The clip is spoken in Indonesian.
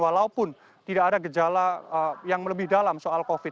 walaupun tidak ada gejala yang lebih dalam soal covid